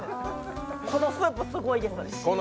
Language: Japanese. このスープすごいです。